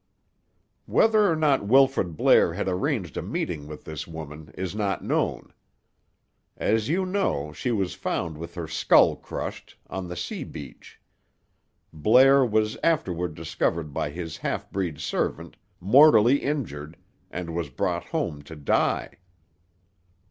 "Whether or not Wilfrid Blair had arranged a meeting with this woman is not known. As you know, she was found with her skull crushed, on the sea beach. Blair was afterward discovered by his half breed servant, mortally injured, and was brought home to die."